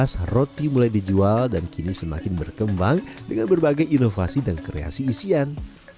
sejak seribu sembilan ratus delapan belas roti mulai dijual dan kini semakin berkembang dengan berbagai inovasi dan kreasi isian